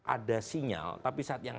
ada sinyal tapi saat yang